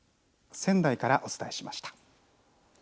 仙台からお伝えしました。